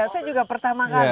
saya juga pertama kali